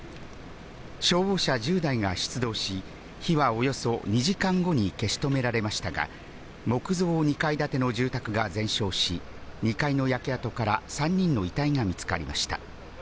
消防車１０台が出動し、火はおよそ２時間後に消し止められましたが、木造２階建ての住宅が全焼し、２階の焼け跡から３人の遺体が見つかりました。